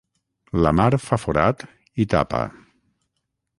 La mar fa forat i tapa